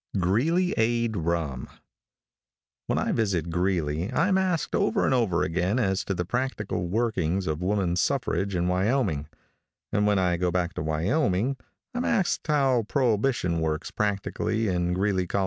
GREELEY AID RUM. |WHEN I visit Greeley I am asked over and over again as to the practical workings of woman suffrage in Wyoming, and when I go back to Wyoming I am asked how prohibition works practically in Greeley, Col.